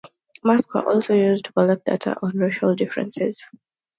Masks were also used to collect data on racial differences.